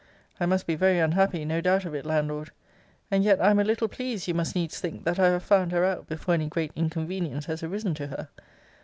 I must be very unhappy, no doubt of it, Landlord. And yet I am a little pleased, you must needs think, that I have found her out before any great inconvenience has arisen to her.